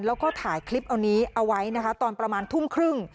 แล้วก็ถ่ายคลิปเอานี้เอาไว้นะคะตอนประมาณทุ่มครึ่ง